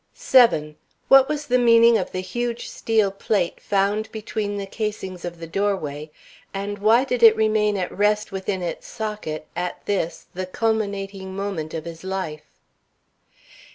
7. What was the meaning of the huge steel plate found between the casings of the doorway, and why did it remain at rest within its socket at this, the culminating moment of his life?